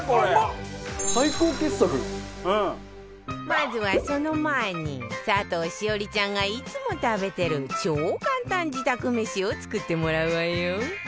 まずはその前に佐藤栞里ちゃんがいつも食べてる超簡単自宅めしを作ってもらうわよ